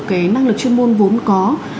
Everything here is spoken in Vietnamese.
cái năng lực chuyên môn vốn có